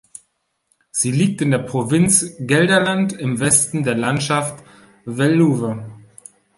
Sie liegt in der Provinz Gelderland im Westen der Landschaft Veluwe.